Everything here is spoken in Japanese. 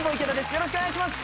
よろしくお願いします！